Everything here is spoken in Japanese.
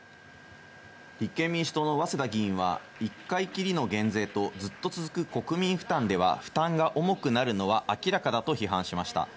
立憲民主党の早稲田議員は１回きりの減税とずっと続く国民負担では、負担が重くなるのは明らかだと批判しました。